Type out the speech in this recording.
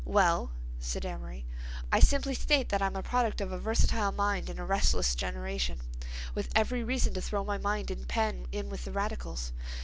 "Well," said Amory, "I simply state that I'm a product of a versatile mind in a restless generation—with every reason to throw my mind and pen in with the radicals.